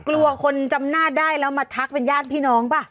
กลัวคนจำหน้าได้แล้วมาทักเป็นญาติพี่น้องป่ะ